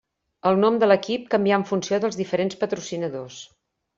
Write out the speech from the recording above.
El nom de l'equip canvià en funció dels diferents patrocinadors.